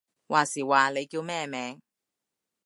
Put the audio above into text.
話時話，你叫咩名？